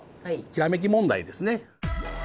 ひらめき問題ですね。